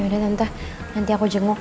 ada tante nanti aku jenguk